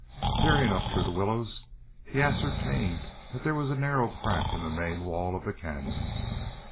Peering up through the willows, he ascertained that there was a narrow crack in the main wall of the canyon.